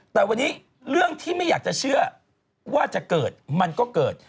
แต่วันนี้เรื่องที่ไม่อยากจะเชื่อว่าจะเกิดมันก็เกิด